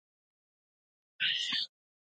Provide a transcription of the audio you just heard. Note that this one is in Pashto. افغانستان د طبیعي زیرمې کوربه دی.